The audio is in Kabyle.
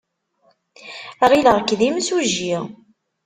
Ɣileɣ-k d imsujji.